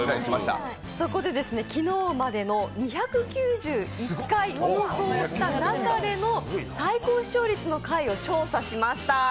昨日までの２９１回放送した中での最高視聴率の回を調査しました。